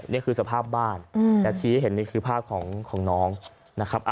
นี่คือสภาพบ้านแต่ทีนี้คือภาพของน้องนะครับ